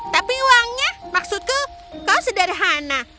tapi uangnya maksudku kau sederhana